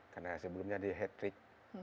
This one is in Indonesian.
karena sebelumnya di hattrick